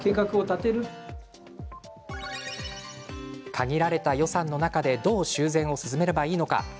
限られた予算の中でどう修繕を進めればいいのか。